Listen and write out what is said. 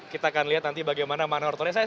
kita akan lihat nanti bagaimana manortornya